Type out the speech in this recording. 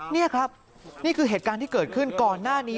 นี่ครับนี่คือเหตุการณ์ที่เกิดขึ้นก่อนหน้านี้